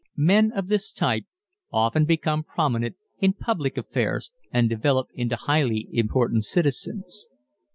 Men of this type often become prominent in public affairs and develop into highly important citizens.